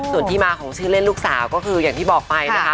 ส่วนที่มาของชื่อเล่นลูกสาวก็คืออย่างที่บอกไปนะคะ